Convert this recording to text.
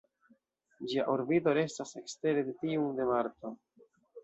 Ĝia orbito restas ekstere de tiun de Marso.